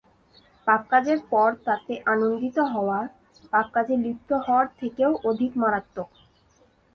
পাপকাজের পর তাতে আনন্দিত হওয়া, পাপকাজে লিপ্ত হওয়ার চেয়ে অধিক মারাত্মক।